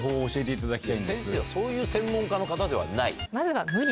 先生はそういう専門家の方ではない。